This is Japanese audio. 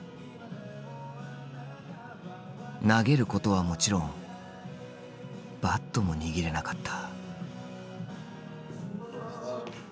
投げることはもちろんバットも握れなかった。